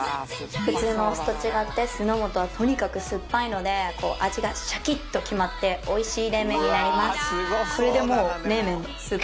普通のお酢と違って酢の素はとにかく酸っぱいので味がシャキッと決まって美味しい冷麺になります。